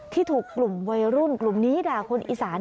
ที่ถูกกลุ่มวัยรุ่นกลุ่มนี้ด่าคนอีสาน